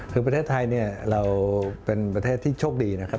คือประเทศไทยเนี่ยเราเป็นประเทศที่โชคดีนะครับ